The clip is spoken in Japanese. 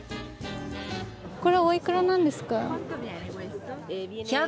これおいくらなんですか？